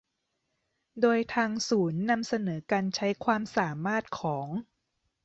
โดยทางศูนย์นำเสนอการใช้ความสามารถของ